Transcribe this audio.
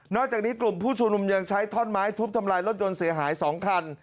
จากนี้กลุ่มผู้ชุมนุมยังใช้ท่อนไม้ทุบทำลายรถยนต์เสียหาย๒คัน